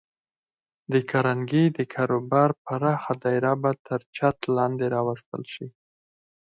د کارنګي د کاروبار پراخه دایره به تر چت لاندې راوستل شي